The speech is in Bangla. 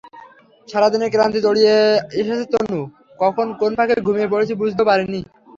সারা দিনের ক্লান্তি, জড়িয়ে এসেছে তনু, কখন কোন ফাঁকে ঘুমিয়ে পড়েছি বুঝতেও পারিনি।